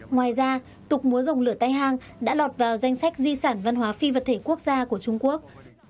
ngoài ra tục múa dòng lửa tây hàng đã lọt vào danh sách di sản văn hóa phi vật thể quốc gia của trung quốc